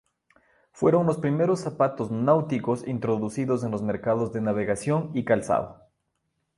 Fueron los primeros zapatos náuticos introducidos en los mercados de navegación y calzado.